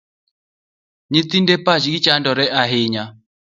Nyithinde pachgi chandore ahinya